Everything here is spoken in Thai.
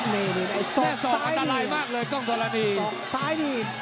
นี่นี่นี่นี่สอบซ้ายนี่แน่สอบอันตรายมากเลยกล้องทรานีสอบซ้ายนี่